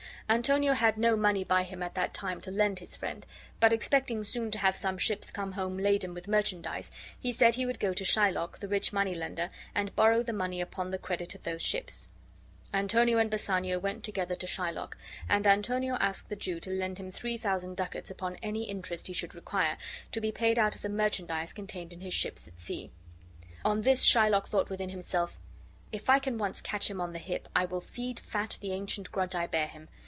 Antonio had no money by him at that time to lend his friend; but expecting soon to have. some ships come home laden with merchandise, he said he would go to Shylock, the rich moneylender, and borrow the money upon the credit of those ships. Antonio and Bassanio went together to Shylock, and Antonio asked the Jew to lend him three thousand ducats upon any interest he should require, to be paid out of the merchandise contained in his ships at sea. On this, Shylock thought within himself: "If I can once catch him on the hip, I will feed fat the ancient grudge I bear him.